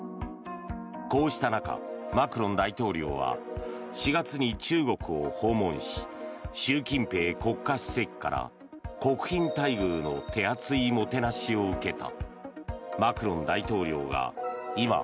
こうした中、マクロン大統領は４月に中国を訪問し習近平国家主席から国賓待遇の手厚いもてなしを受けた。